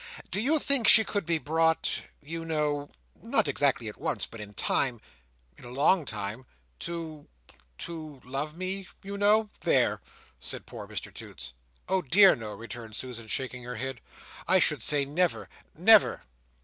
"Do you think she could be brought, you know—not exactly at once, but in time—in a long time—to—to love me, you know? There!" said poor Mr Toots. "Oh dear no!" returned Susan, shaking her head. "I should say, never. Never!"